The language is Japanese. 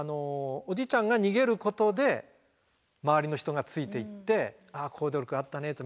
おじいちゃんが逃げることで周りの人がついていって「あ行動力あったね。